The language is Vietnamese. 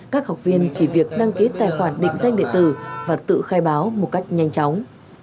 các học viên chỉ việc đăng ký tài khoản định danh địa tử và tự khai báo một cách nhanh chóng